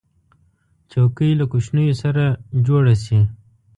چوکۍ له کوشنو سره جوړه شي.